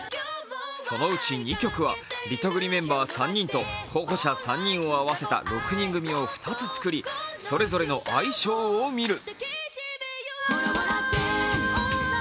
そのうち２曲はリトグリメンバー３人と候補者３人を合わせた６人組を２つ作り、それぞれの相性を見る。